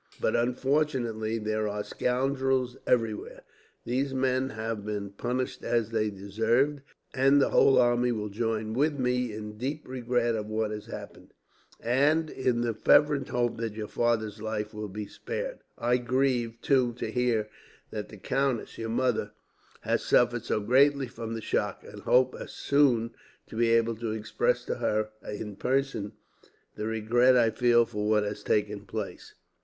But unfortunately, there are scoundrels everywhere. These men have been punished as they deserved, and the whole army will join with me in deep regret at what has happened, and in the fervent hope that your father's life will be spared. I grieve, too, to hear that the countess, your mother, has suffered so greatly from the shock; and hope soon to be able to express to her, in person, the regret I feel for what has taken place.'